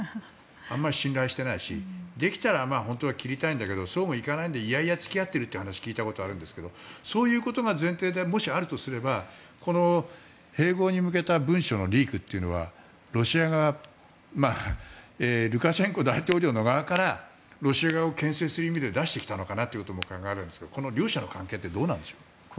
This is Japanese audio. あんまり信頼してないしできたら本当は切りたいんだけどそうもいかないし嫌々付き合っているという話を聞いたことがあるんですけどそういうことが前提でもしあるとすれば、併合に向けた文書のリークというのはルカシェンコ大統領の側からロシア側を牽制するために出してきたのかなとも思えるんですがこの両者の関係ってどうなんでしょうか。